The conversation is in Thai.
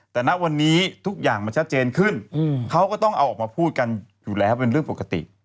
แต่ณวันนี้ทุกอย่างมันชัดเจนขึ้นเขาก็ต้องเอาออกมาพูดกันอยู่แล้วเป็นเรื่องปกติ